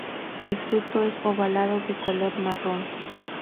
El fruto es ovalado de color marrón.